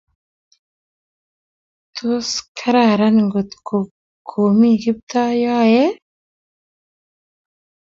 tos kararan ngot ko komii Kiptoo yoee?